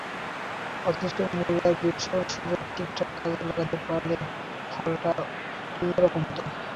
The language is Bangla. অথচ মুলার, গোটশেরা সুযোগগুলো ঠিকঠাক কাজে লাগাতে পারলে ফলটা অন্য রকমই হতো।